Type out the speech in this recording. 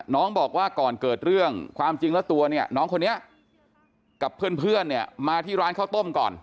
น้องบอกว่าก่อนเกิดเรื่องความจริงแล้วตัวเนี่ยน้องคนนี้กับเพื่อนเนี่ยมาที่ร้านข้าวต้มก่อน